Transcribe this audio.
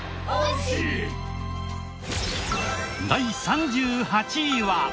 第３８位は。